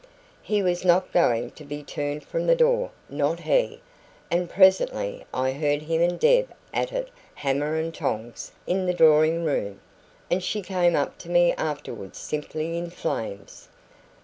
HE was not going to be turned from the door not he; and presently I heard him and Deb at it hammer and tongs in the drawing room, and she came up to me afterwards simply in flames.